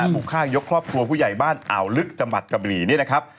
บุคคลายกครอบครัวผู้ใหญ่บ้านอ่าวลึกจังหวัดกระบวิน